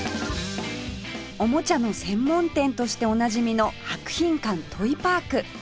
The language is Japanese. おもちゃの専門店としておなじみの博品館 ＴＯＹＰＡＲＫ